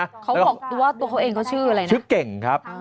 เขาบอกตัวเขาเองเขาชื่ออะไรนะชื่อเก่งครับ